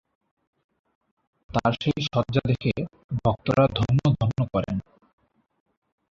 তার সেই সজ্জা দেখে ভক্তরা ধন্য ধন্য করেন।